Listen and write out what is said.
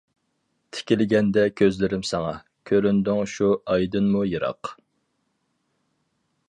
تىكىلگەندە كۆزلىرىم ساڭا، كۆرۈندۈڭ شۇ ئايدىنمۇ يىراق.